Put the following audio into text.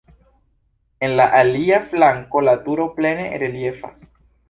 En la alia flanko la turo plene reliefas.